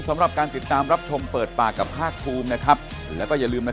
ผมก็ต้องตื่นเข้านอนห้าทุ่มได้ใช่ไหมฮะ